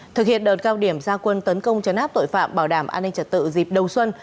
thực hiện đợt cao điểm gia quân tấn công chấn áp tội phạm bảo đảm an ninh trật tự dịp đầu xuân